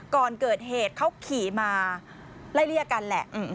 ก่อนเกิดเหตุเขาขี่มาไล่เลี่ยกันแหละ